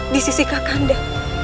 di sisi kak kanda